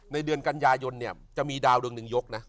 เดือนกันยายนเนี่ยจะมีดาวดวงหนึ่งยกนะ